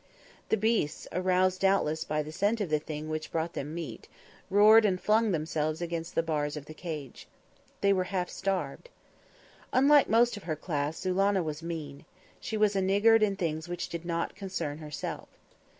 The beasts, aroused doubtlessly by the scent of the thing which brought them meat, roared and flung themselves against the bars of the cage. They were half starved. Unlike most of her class, Zulannah was mean. She was a niggard in things which did not concern herself.